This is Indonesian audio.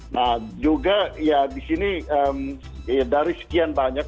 nah juga ya di sini dari sekian banyak